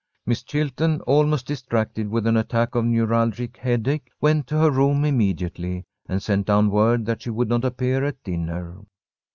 Miss Chilton, almost distracted with an attack of neuralgic headache, went to her room immediately, and sent down word that she would not appear at dinner.